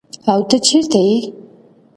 او ته چیرته ئي ؟